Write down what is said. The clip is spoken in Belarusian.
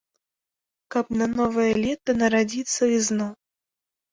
Каб на новае лета нарадзіцца ізноў.